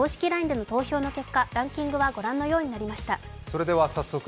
ＬＩＮＥでの投票の結果、ご覧のようになりました。